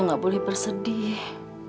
saya akan menerima kesempatanmu